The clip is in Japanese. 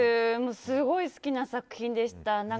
すごい好きな作品でした。